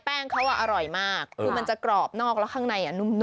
แป้งเขาอร่อยมากคือมันจะกรอบนอกแล้วข้างในนุ่ม